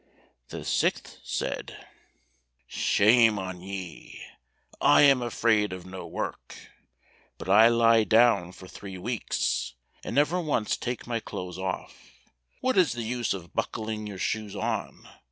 The sixth said, "Shame on ye; I am afraid of no work, but I lie down for three weeks, and never once take my clothes off. What is the use of buckling your shoes on?